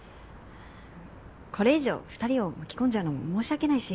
これ以上２人を巻き込んじゃうのも申し訳ないし。